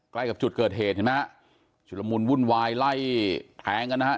ใกล้กับจุดเกิดเหตุเห็นไหมฮะชุดละมุนวุ่นวายไล่แทงกันนะฮะ